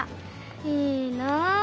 いいなあ。